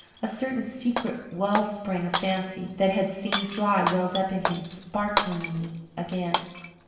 A certain secret well spring of fancy that had seemed dry welled up in him sparklingly again.